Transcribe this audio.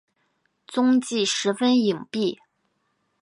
踪迹十分隐蔽。